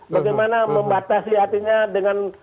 bagaimana membatasi hatinya dengan